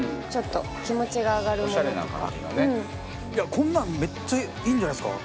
こんなんめっちゃいいんじゃないですか？